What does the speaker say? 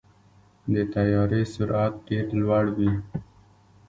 د طیارې سرعت ډېر لوړ وي.